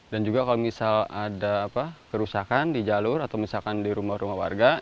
dan juga kalau misal ada kerusakan di jalur atau di rumah rumah warga